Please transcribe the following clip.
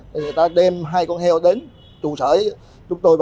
thì người ta đem hai con heo đến trụ sở